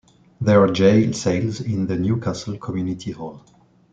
There are jail cells in the Newcastle Community Hall.